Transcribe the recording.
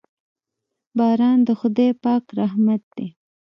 باران د خداے پاک رحمت دے